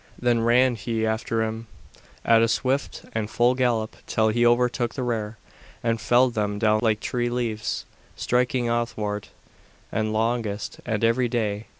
Then ran he after them at a swift and full gallop till he overtook the rear, and felled them down like tree leaves, striking athwart and alongst and every way.